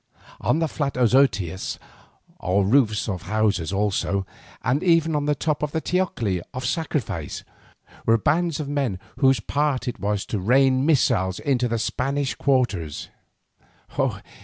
On the flat azoteas, or roofs of houses also, and even on the top of the teocalli of sacrifice, were bands of men whose part it was to rain missiles into the Spanish quarters.